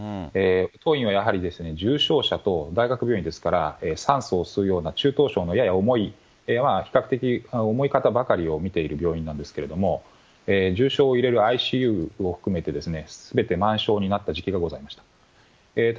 当院はやはり、重症者と大学病院ですから酸素を吸うような中等症のようなやや重い、比較的重い方ばかりを見ている病院なんですけれども、重症を入れるＩＣＵを含めてすべて満床になった時期がございました。